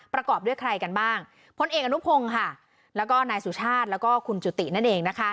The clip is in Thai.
ประกอบด้วยใครกันบ้างพลเอกอนุพงศ์ค่ะแล้วก็นายสุชาติแล้วก็คุณจุตินั่นเองนะคะ